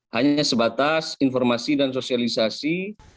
hanya sebatas informasi dan sosialisasi